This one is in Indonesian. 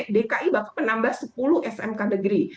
dki bahkan menambah sepuluh smk negeri